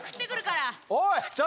おいちょっと！